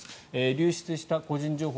流出した個人情報